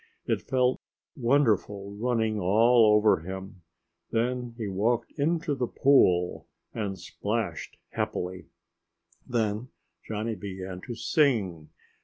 It felt wonderful running all over him. Then he walked into a pool and splashed happily. Then Johnny began to sing.